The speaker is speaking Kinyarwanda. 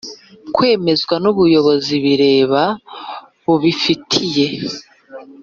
Kwemezwa n ubuyobozi bireba bubifitiye